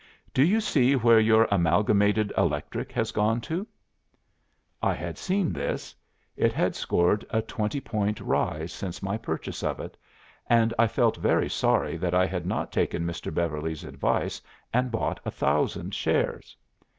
Do you see where your Amalgamated Electric has gone to?'" "I had seen this. It had scored a 20 point rise since my purchase of it; and I felt very sorry that I had not taken Mr. Beverly's advice and bought a thousand shares.